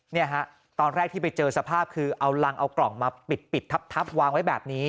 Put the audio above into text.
เนี่ยฮะตอนแรกที่ไปเจอสภาพคือเอารังเอากล่องมาปิดทับวางไว้แบบนี้